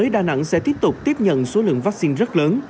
vì vậy thành phố hồ chí minh sẽ tiếp nhận số lượng vaccine rất lớn